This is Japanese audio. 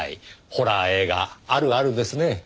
「ホラー映画あるある」ですね。